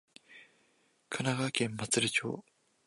神奈川県真鶴町